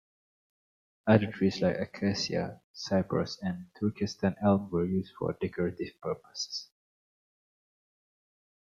Other trees like acacia, cypress, and Turkestan elm were used for decorative purposes.